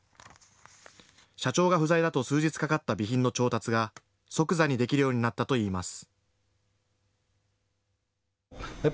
社長が不在だと数日かかった備品の調達が即座にできるようになったといいます。